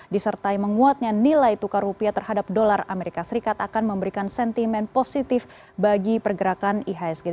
disertai menguatnya nilai tukar rupiah terhadap dolar amerika serikat akan memberikan sentimen positif bagi pergerakan ihsg